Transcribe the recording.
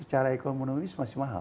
secara ekonomi masih mahal